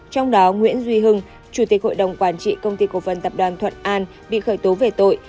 trong đó nguyễn duy hưng chủ tịch hội đồng quản trị công ty cổ phần tập đoàn thuận an bị khởi tố về tội